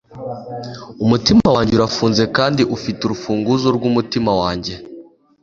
umutima wanjye urafunze kandi ufite urufunguzo rwumutima wanjye